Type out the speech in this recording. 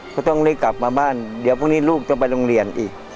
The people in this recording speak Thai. ก็ต้องรีบกลับมาบ้านเดี๋ยวพรุ่งนี้ลูกจะไปโรงเรียนอีก